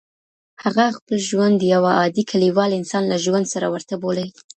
هغه خپل ژوند د یوه عادي کليوال انسان له ژوند سره ورته بولي.